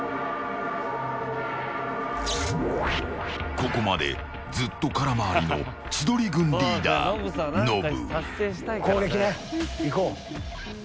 ここまでずっと空回りの千鳥軍リーダー、ノブ。